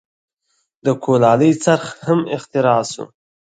د کولالۍ څرخ هم اختراع شو.